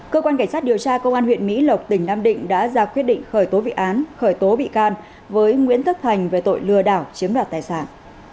cơ quan cảnh sát điều tra công an huyện mỹ lộc tỉnh nam định đã ra quyết định khởi tố bị can với nguyễn thức thành về tội lừa đảo chiếm đoạt tài sản